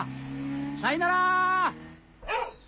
さいなら！